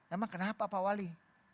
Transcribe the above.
emang kenapa pak wali